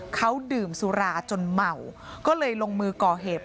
เขาดื่มสุราจนเมาก็เลยลงมือก่อเหตุ